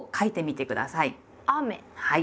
はい。